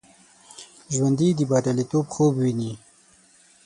ژوندي د بریالیتوب خوب ویني